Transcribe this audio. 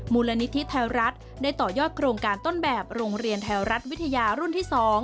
มูลนิธิไทยรัฐได้ต่อยอดโครงการต้นแบบโรงเรียนไทยรัฐวิทยารุ่นที่๒